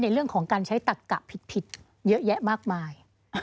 เรื่องของการใช้ตักกะผิดเยอะแยะมากมาย